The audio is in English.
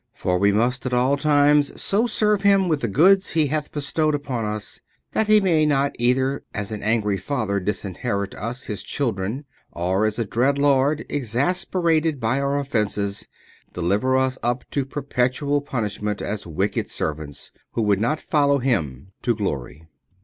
For we must at all times so serve Him with the goods He hath bestowed upon us, that He may not either as an angry Father disinherit us His children, or as a dread Lord, exasperated by our offences, deliver us up to perpetual punishment as wicked servants, who would not follow Him to glory.